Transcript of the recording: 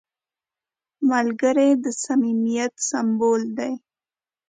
ملګری د صمیمیت سمبول دی